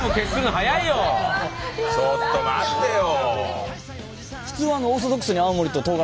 ちょっと待ってよ。